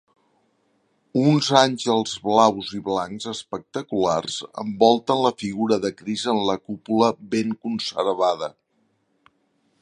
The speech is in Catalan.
Uns àngels blaus i blancs espectaculars envolten la figura de Crist en la cúpula ben conservada.